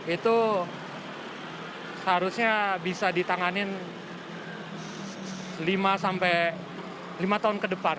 itu seharusnya bisa ditanganin lima sampai lima tahun ke depan